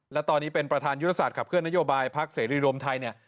และตอนนี้เป็นประธานยุทธศาสตร์ขับเครื่องนโยบายภาคเสรีริรมไทย